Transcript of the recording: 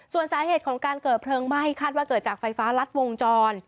ส่วนสาเหตุของการเกิดเพลิงไหม้คาดว่าเกิดจากไฟฟ้ารัดวงจร